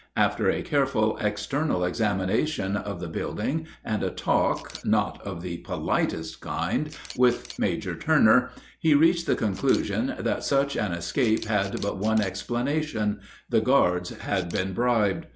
After a careful external examination of the building, and a talk, not of the politest kind, with Major Turner, he reached the conclusion that such an escape had but one explanation the guards had been bribed.